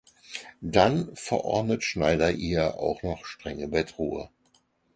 Dann verordnet Schneider ihr auch noch strenge Bettruhe!